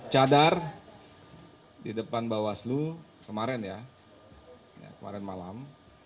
cadar di depan bawah seluruh kemarin ya kemarin malam